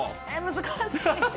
難しい。